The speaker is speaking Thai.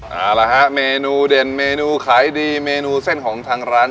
เอาละฮะเมนูเด่นเมนูขายดีเมนูเส้นของทางร้าน